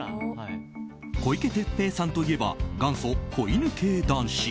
小池徹平さんといえば元祖・子犬系男子。